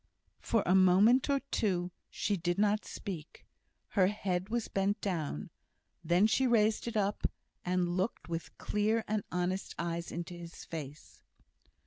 For a moment or two she did not speak; her head was bent down; then she raised it up, and looked with clear and honest eyes into his face.